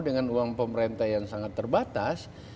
dengan uang pemerintah yang sangat terbatas